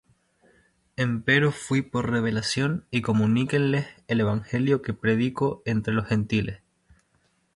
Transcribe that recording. Empero fuí por revelación, y comuniquéles el evangelio que predico entre los Gentiles;